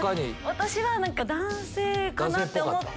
私は男性かなって思った。